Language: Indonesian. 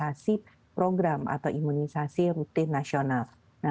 ini menjadi bagian daripada imunisasi program atau imunisasi rutin nasional